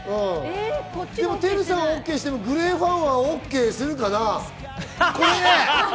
ＴＥＲＵさんはＯＫしてもＧＬＡＹファンはＯＫするかな？